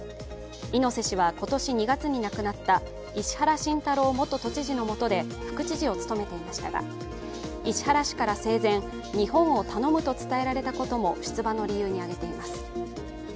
猪瀬氏は、今年２月に亡くなった石原慎太郎元都知事のもとで副知事を務めていましたが石原氏から生前日本を頼むと伝えられたことも出馬の理由に挙げています。